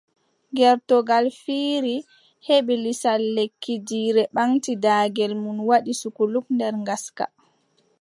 Gertogal fiiri heɓi lisal lekki! Jiire ɓaŋti daagel muum waɗi culuk nder ngaska!